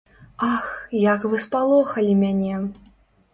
Ах, як вы спалохалі мяне.